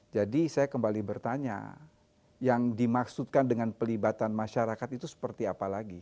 jadi saya kembali bertanya yang dimaksudkan dengan pelibatan masyarakat itu seperti apa lagi